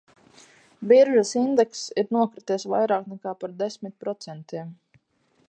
Biržas indekss ir nokrities vairāk nekā par desmit procentiem.